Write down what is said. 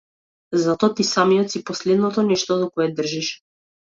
Затоа ти самиот си последното нешто до кое држиш.